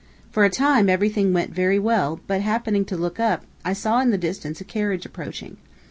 For a time, everything went very well, but happening to look up, I saw in the distance a carriage approaching.